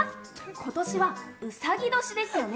今年はうさぎ年ですよね。